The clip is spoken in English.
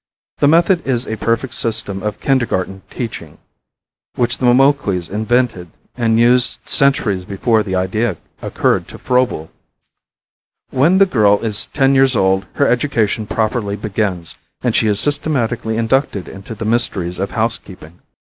The method is a perfect system of kindergarten teaching, which the Moquis invented and used centuries before the idea occurred to Froebel. When the girl is ten years old her education properly begins and she is systematically inducted into the mysteries of housekeeping.